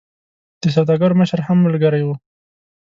د سوداګرو مشر هم ملګری وو.